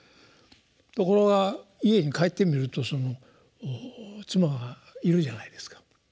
ところが家に帰ってみるとその妻がいるじゃないですか。